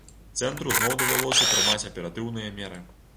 Цэнтру зноў давялося прымаць аператыўныя меры.